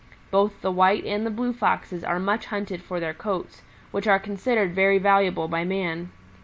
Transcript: Both the White and the Blue Foxes are much hunted for their coats, which are considered very valuable by man.